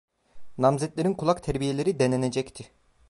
Namzetlerin kulak terbiyeleri denenecekti.